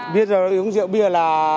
bây giờ uống rượu bia là